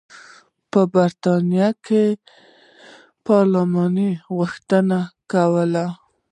په برېټانیا کې پارلمان غوښتنه کوله.